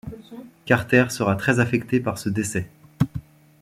Carter sera très affectée par ce décès.